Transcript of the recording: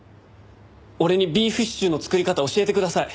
俺にビーフシチューの作り方教えてください！